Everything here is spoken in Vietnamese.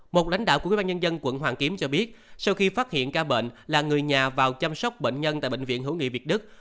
một lãnh đạo của quỹ ban nhân dân quận hoàn kiếm cho biết sau khi phát hiện ca bệnh là người nhà vào chăm sóc bệnh nhân tại bệnh viện hữu nghị việt đức